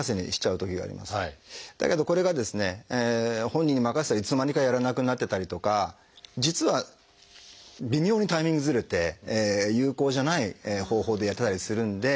本人にまかせたらいつの間にかやらなくなってたりとか実は微妙にタイミングずれて有効じゃない方法でやってたりするんで。